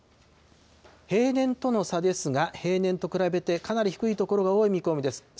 平年との差ですが、平年と比べて、かなり低い所が多い見込みです。